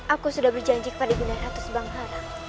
aku sudah berjanji kepada guna ratu sebang hara